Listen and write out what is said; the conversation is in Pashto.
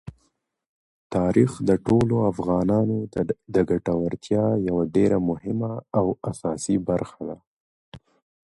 تاریخ د ټولو افغانانو د ګټورتیا یوه ډېره مهمه او اساسي برخه ده.